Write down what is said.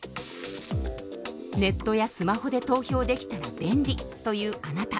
ネットやスマホで投票できたら便利！というあなた。